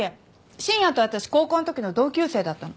深夜と私高校の時の同級生だったの。